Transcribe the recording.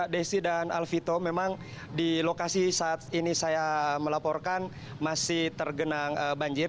desi dan alvito memang di lokasi saat ini saya melaporkan masih tergenang banjir